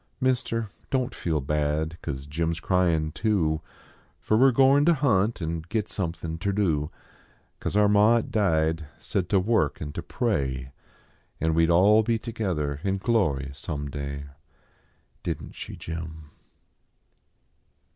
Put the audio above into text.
Mister, don t feel bad cause Jim s cryin too ; Fer we re goin ter hunt an git somethin ter do ; Cause our ma at died said ter work an ter pray, An we d all be together in glory some day Didn t she, Jim?